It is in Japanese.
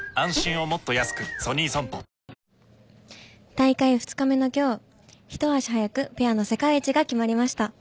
大会２日目の今日ひと足早くペアの世界一が決まりました。